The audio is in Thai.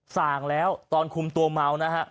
ส่างแล้วตอนคุมตัวเมา